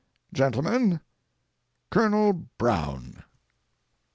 Gentlemen, Colonel Brown.